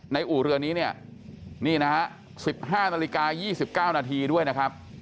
อู่เรือนี้เนี่ยนี่นะฮะ๑๕นาฬิกา๒๙นาทีด้วยนะครับ